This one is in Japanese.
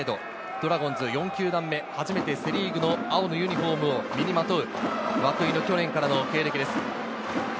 ドラゴンズ４球団目、初めてセ・リーグの青のユニホームを身にまとう涌井の去年からの経歴です。